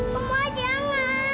kamu aja anang